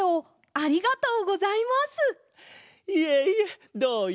ありがとう！